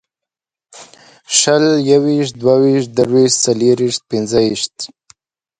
شل یوویشت دوهویشت درویشت څلېرویشت پنځهویشت